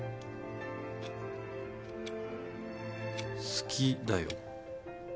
好きだよ。